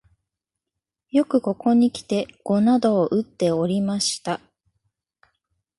よくここにきて碁などをうっておりました